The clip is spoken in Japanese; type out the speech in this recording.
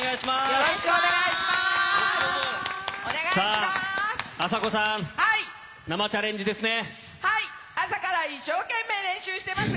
よろしくお願いします。